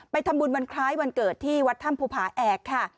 ทำบุญวันคล้ายวันเกิดที่วัดถ้ำภูผาแอกค่ะ